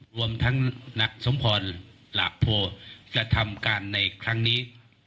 รวมทั้งนักสมพรหลาโพกระทำการในครั้งนี้